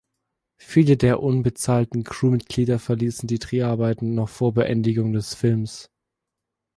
Viele der unbezahlten Crewmitglieder verließen die Dreharbeiten noch vor Beendigung des Films.